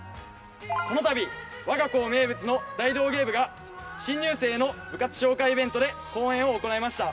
このたび、我が校名物の大道芸部が新入生部活紹介のための応援を行いました。